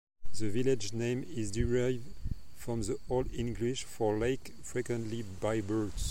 The village's name is derived from the Old English for "lake frequented by birds".